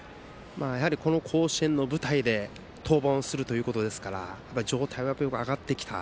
この甲子園の舞台で登板をするということですから状態は上がってきた。